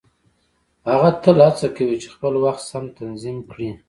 هغه تل هڅه کوي چې خپل وخت سم تنظيم کړي.